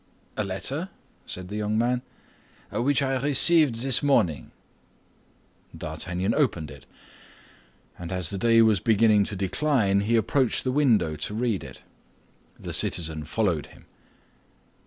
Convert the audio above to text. "A letter?" said the young man. "Which I received this morning." D'Artagnan opened it, and as the day was beginning to decline, he approached the window to read it. The citizen followed him.